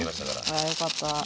あらよかった。